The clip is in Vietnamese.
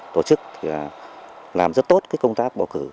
tổ chức làm rất tốt công tác bầu cử